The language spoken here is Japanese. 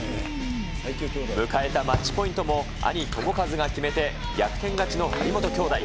迎えたマッチポイントも、兄、智和が決めて、逆転勝ちの張本兄妹。